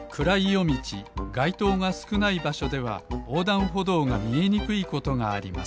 よみちがいとうがすくないばしょではおうだんほどうがみえにくいことがあります。